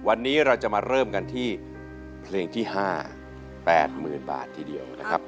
วันนี้เราจะมาเริ่มกันที่เพลงที่๕๘๐๐๐บาททีเดียวนะครับ